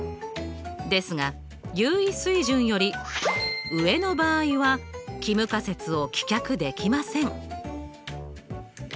ですが有意水準より上の場合は帰無仮説を棄却できません。